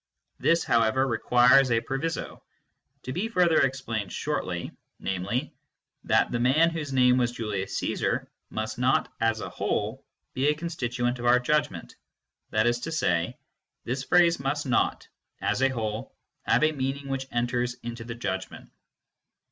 This, however, requires a proviso, to be further explained shortly, namely _ that 1* the man whose name was Julius Ccesar " must not, as a whole, be a constituent of our judgment, that is to say, this phrase must not, as a whole, have a meaning which enters into the judgment.